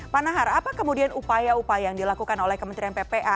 pak nahar apa kemudian upaya upaya yang dilakukan oleh kementerian ppa